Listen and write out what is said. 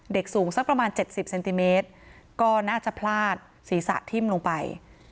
สูงสักประมาณ๗๐เซนติเมตรก็น่าจะพลาดศีรษะทิ้มลงไป